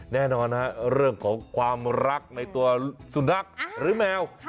แน่นอนฮะเรื่องของความรักในตัวสุนัขหรือแมว